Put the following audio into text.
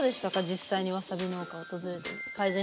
実際にわさび農家訪れて。